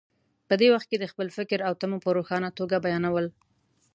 په دې وخت کې د خپل فکر او تمو په روښانه توګه بیانول.